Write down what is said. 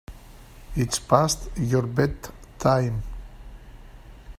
It's past your bedtime.